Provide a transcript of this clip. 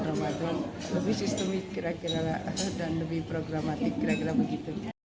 ramadan lebih sistemik kira kira dan lebih programatik kira kira begitu